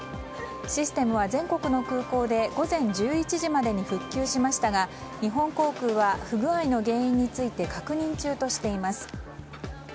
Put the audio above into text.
システムは全国の空港で午前１１時までに復旧しましたが日本航空は不具合の原因について確認中としています。